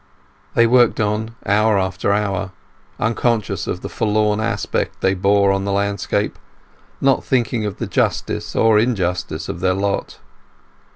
They worked on hour after hour, unconscious of the forlorn aspect they bore in the landscape, not thinking of the justice or injustice of their lot.